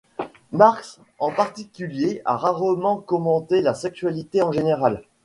Marx en particulier à rarement commenté la sexualité en général.